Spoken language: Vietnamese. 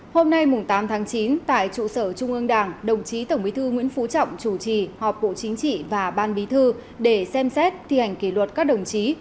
hôm nay tám tháng chín tại trụ sở trung ương đảng đồng chí tổng bí thư nguyễn phú trọng chủ trì họp bộ chính trị và ban bí thư để xem xét thi hành kỷ luật các đồng chí